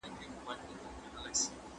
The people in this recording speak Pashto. تاسو باید په خپلو معاملو کي صادق اوسئ.